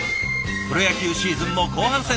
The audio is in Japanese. プロ野球シーズンも後半戦！